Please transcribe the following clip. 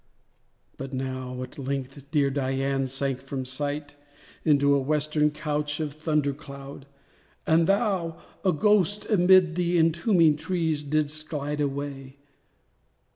But now, at length, dear Dian sank from sight, Into a western couch of thunder cloud; And thou, a ghost, amid the entombing trees Didst glide away.